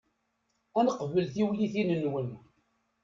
Ad neqbel tiwtilin-nwen.